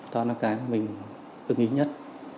đó là cái mà mình ứng ý nhất